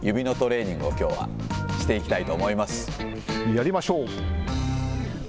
やりましょう。